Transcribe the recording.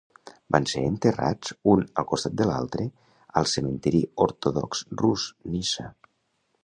Van ser enterrats un al costat de l'altre al cementiri ortodox rus, Niça.